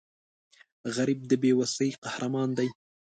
غریب د بې وسۍ قهرمان دی